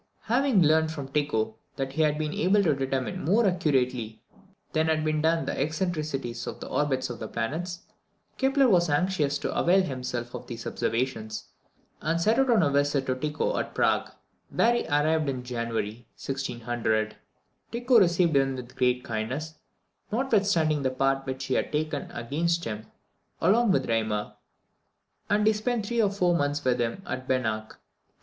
Having learned from Tycho that he had been able to determine more accurately than had been done the eccentricities of the orbits of the planets, Kepler was anxious to avail himself of these observations, and set out on a visit to Tycho at Prague, where he arrived in January 1600. Tycho received him with great kindness, notwithstanding the part which he had taken against him along with Raimar, and he spent three or four months with him at Benach.